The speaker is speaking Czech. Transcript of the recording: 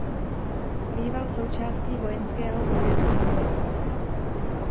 Býval součástí vojenského újezdu Boletice.